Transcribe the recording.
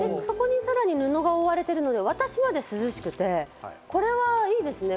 さらに布で覆われているので私まで涼しくて、これはいいですね。